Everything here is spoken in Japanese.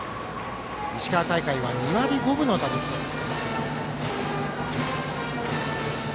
石川大会は２割５分の打率です。